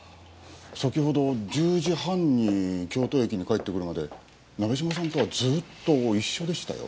先ほど１０時半に京都駅に帰ってくるまで鍋島さんとはずっと一緒でしたよ。